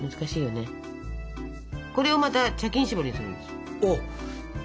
これをまた茶巾絞りにするんです。